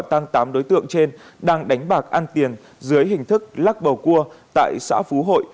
tăng tám đối tượng trên đang đánh bạc ăn tiền dưới hình thức lắc bầu cua tại xã phú hội